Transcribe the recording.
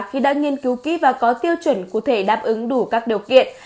khi đã nghiên cứu kỹ và có tiêu chuẩn cụ thể đáp ứng đủ các điều kiện